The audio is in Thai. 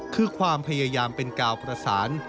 คือความพยายามเป็นกาวประสาน